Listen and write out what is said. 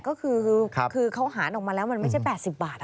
ก็คือเขาหารออกมาแล้วมันไม่ใช่๘๐บาท